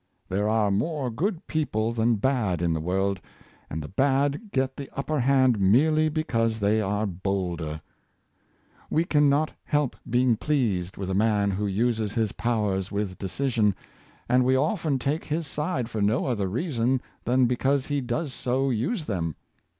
There are more good people than bad in the world, and the bad get the upper hand merely because they are bolder. We can not help being pleased with a man who uses his powers with decision; and we often take his side for no other reason than because he does so use them.